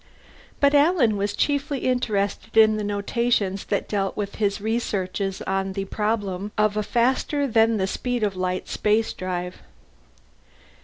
But Alan was chiefly interested in the notations that dealt with his researches on the problem of a faster than the speed of light spacedrive.